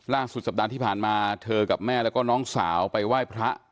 ล่าสุดสัปดาห์ที่ผ่านมาเธอกับแม่แล้วก็น้องสาวไปไหว้พระ